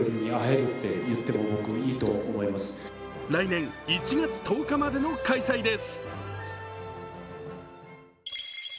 来年１月１０日までの開催です。